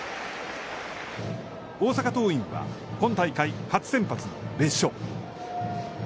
大阪桐蔭は、今大会初先発の別所。